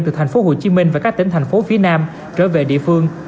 từ thành phố hồ chí minh và các tỉnh thành phố phía nam trở về địa phương